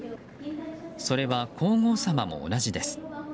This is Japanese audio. それは皇后さまも同じです。